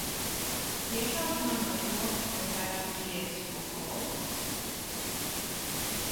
Iešausi man par to, ka dzeru diētisko kolu?